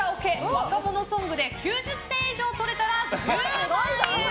若者ソングで９０点以上取れたら１０万円。